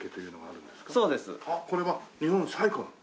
あっこれは日本最古の？